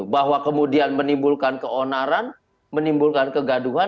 bahwa kemudian menimbulkan keonaran menimbulkan kegaduhan